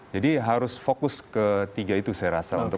jadi harus fokus ketiga itu saya rasa